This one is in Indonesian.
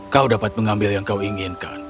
kau dapat mengambil yang kau inginkan